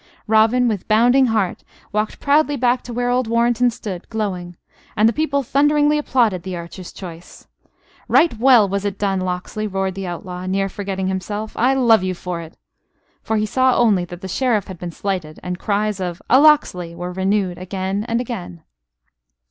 Robin, with bounding heart, walked proudly back to where old Warrenton stood, glowing; and the people thunderingly applauded the archer's choice. "Right well was it done, Locksley!" roared the outlaw, near forgetting himself. "I love you for it." For he saw only that the Sheriff had been slighted, and cries of: "A Locksley!" were renewed again and again.